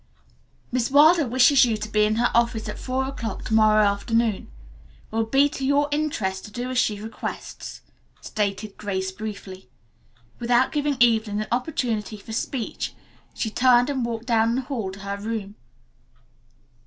"Miss Wilder wishes you to be in her office at four o'clock to morrow afternoon. It will be to your interest to do as she requests," stated Grace briefly. Without giving Evelyn an opportunity for speech she turned and walked down the hall to her room.